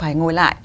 phải ngồi lại